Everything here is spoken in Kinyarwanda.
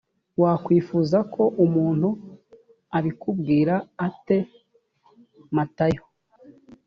wakwifuza ko umuntu abikubwira ate matayo